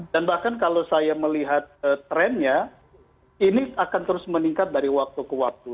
dan bahkan kalau saya melihat trennya ini akan terus meningkat dari waktu ke waktu